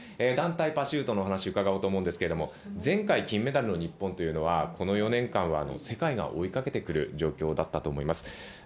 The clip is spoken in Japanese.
団体パシュートのお話を伺おうと思うんですけど前回金メダルの日本というのはこの４年間は世界が追いかけてくる状況だったと思います。